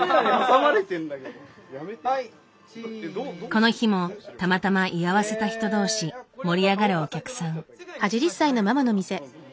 この日もたまたま居合わせた人同士盛り上がるお客さん。